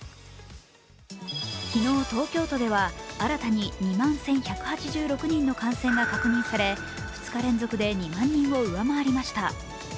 昨日、東京都では新たに２万１１８６人の感染が確認され２日連続で２万人を上回りました。